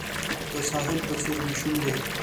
د ساحل په څیر مې شونډې